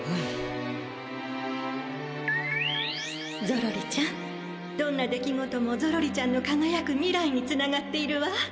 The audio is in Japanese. ゾロリちゃんどんな出来事もゾロリちゃんのかがやくみらいにつながっているわ。